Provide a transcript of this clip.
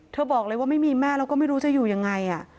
บอกเลยว่าไม่มีแม่แล้วก็ไม่รู้จะอยู่ยังไง